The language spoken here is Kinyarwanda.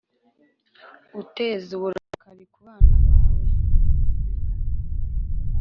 uteza uburakari ku bana bawe,